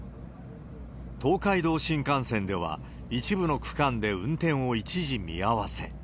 東海道新幹線では、一部の区間で運転を一時見合わせ。